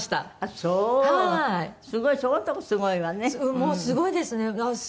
もうすごいですね。